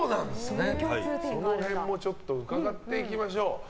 その辺も伺っていきましょう。